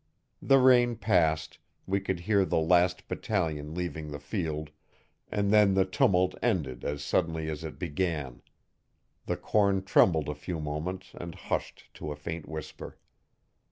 The rain passed we could hear the last battalion leaving the field and then the tumult ended as suddenly as it began. The corn trembled a few moments and hushed to a faint whisper.